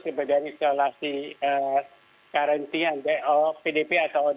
sebagai isolasi karantina